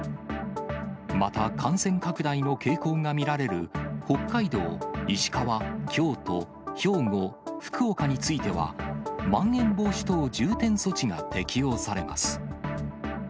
また感染拡大の傾向が見られる北海道、石川、京都、兵庫、福岡については、まん延防止等重点措置が適用されます。